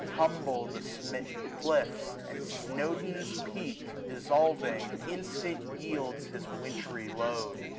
Tumble the smitten cliffs ; and Snowden's peak, 11 65 Dissolving, instant yields his wintry load.